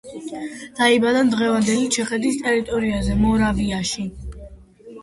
დაიბადა დღევანდელი ჩეხეთის ტერიტორიაზე, მორავიაში.